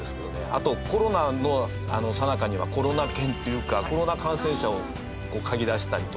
あと、コロナのさなかにはコロナ犬っていうかコロナ感染者をかぎだしたりとか。